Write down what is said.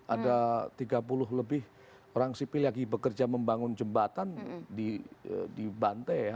ada tiga puluh lebih orang sipil lagi bekerja membangun jembatan di bantai ya